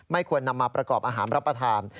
ควรนำมาประกอบอาหารรับประทาน